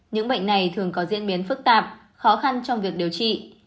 những bệnh này thường có diễn biến phức tạp khó khăn trong việc điều trị